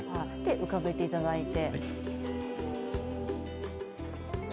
浮かべていただいて。